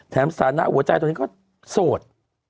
แถมสานะหัวใจตัวนี้ก็โสด